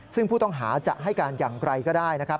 ซึ่งผู้ต้องหาจะให้การอย่างไรก็ได้นะครับ